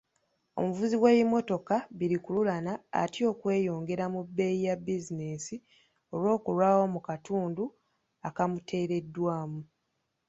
Omuvuzi w'ebimmotoka bi lukululana atya okweyongera mu bbeeyi ya bizinesi olw'okulwawo mu katundu akamuteereddwamu.